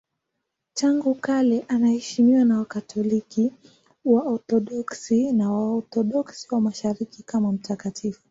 Tangu kale anaheshimiwa na Wakatoliki, Waorthodoksi na Waorthodoksi wa Mashariki kama mtakatifu.